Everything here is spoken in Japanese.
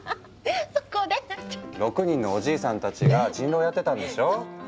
６人のおじいさんたちが人狼やってたんでしょ？